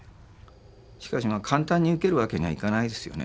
しかし簡単に受けるわけにはいかないですよね